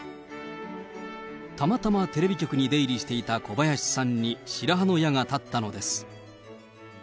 たまたまテレビ局に出入りしていた小林さんに白羽の矢が立ったのです。